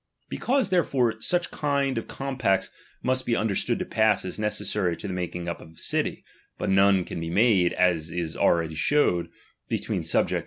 Because, therefore, such kind of compacts must be understood to pass as neces sary to the making up of a city, but none can be made (as is already shewed) between the subject DOMINION.